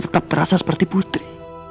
tetap terasa seperti putri